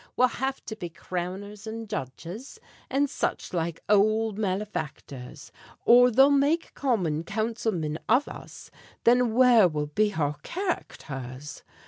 We'll have to be crowners an' judges, An' such like ould malefactors, Or they'll make Common Councilmin of us; Thin where will be our char acters?